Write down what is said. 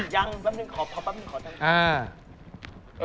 ยังแป๊บนึงขอแป๊บนึงขอแทน